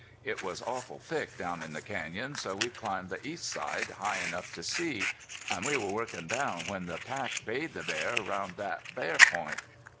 It was awful thick down in the canyon so we climbed the east side high enough to see. An' we were workin' down when the pack bayed the bear round thet bare point.